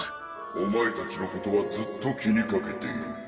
「お前たちのことはずっと気にかけている」